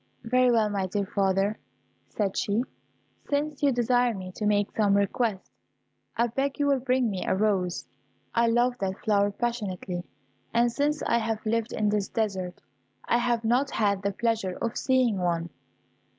"Very well, my dear father," said she, "since you desire me to make some request, I beg you will bring me a rose; I love that flower passionately, and since I have lived in this desert I have not had the pleasure of seeing one."